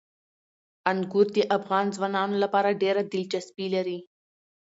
انګور د افغان ځوانانو لپاره ډېره دلچسپي لري.